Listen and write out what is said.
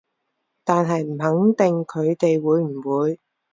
但係唔肯定佢哋會唔會